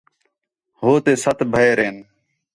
ہو تے سَت بھئیر ہِن